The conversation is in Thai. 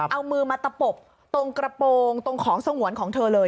เอามือมาตะปบตรงกระโปรงตรงของสงวนของเธอเลย